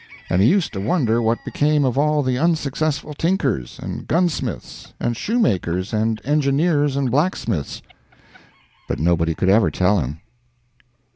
And he used to wonder what became of all the unsuccessful tinkers, and gunsmiths, and shoemakers, and engineers, and blacksmiths; but nobody could ever tell him.